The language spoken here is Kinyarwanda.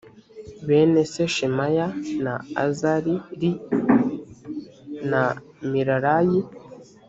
bene se shemaya na azar li na milalayi